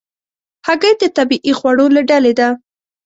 هګۍ د طبیعي خوړو له ډلې ده.